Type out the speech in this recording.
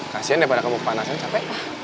kasian daripada kamu kepanasan capek